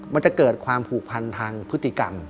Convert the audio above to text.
มันจะเกิดความผูกพันทางพฤติกรรม